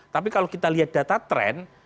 tapi kalau kita lihat data tren